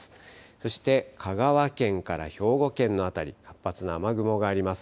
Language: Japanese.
そして香川県から兵庫県の辺り活発な雨雲があります。